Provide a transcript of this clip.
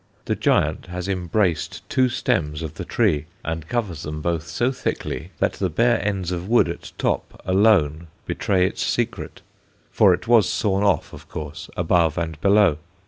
The giant has embraced two stems of the tree, and covers them both so thickly that the bare ends of wood at top alone betray its secret; for it was sawn off, of course, above and below.